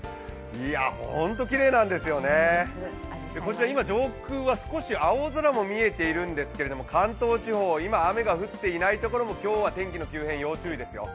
いや、ほんときれいなんですよねこちら、今、上空は少し青空も見えているんですが関東地方、今、雨が降っていないところも今日は天気の急変要注意ですよ。